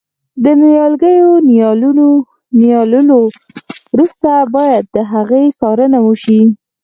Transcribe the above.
د نیالګیو نیالولو وروسته باید د هغوی څارنه وشي.